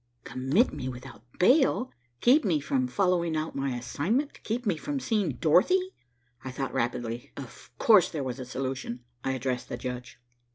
Commit me without bail, keep me from following out my assignment, keep me from seeing Dorothy! I thought rapidly. Of course there was a solution. I addressed the judge.